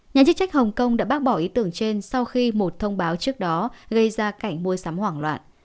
nhà chức trách hồng kông đã bác bỏ ý tưởng trên sau khi một thông báo trước đó gây ra cảnh mua sắm hoảng loạn